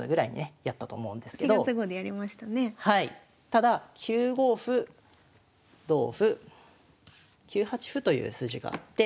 ただ９五歩同歩９八歩という筋があって。